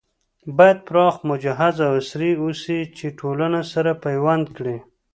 بايد پراخ، مجهز او عصري اوسي چې ټولنه سره پيوند کړي